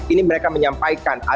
ini mereka menyampaikan